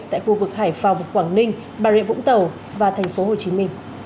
tại khu vực hải phòng quảng ninh bà rịa vũng tàu và tp hcm